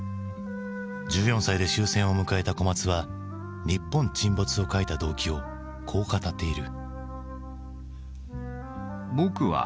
１４歳で終戦を迎えた小松は「日本沈没」を書いた動機をこう語っている。